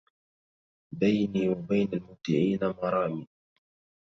بيني وبين المبدعين مرامي